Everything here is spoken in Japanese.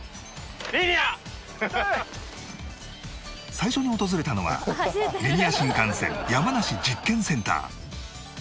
最初に訪れたのはリニア新幹線山梨実験センター